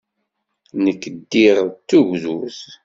Nekk ddiɣ d tugdut.